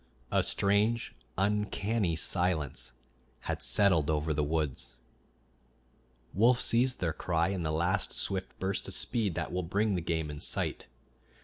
A strange, uncanny silence had settled over the woods. Wolves cease their cry in the last swift burst of speed that will bring the game in sight.